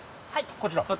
こちら。